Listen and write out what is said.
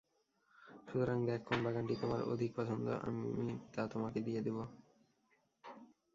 সুতরাং দেখ কোন্ বাগানটি তোমার অধিক পসন্দ, আমি তা তোমাকে দিয়ে দিব।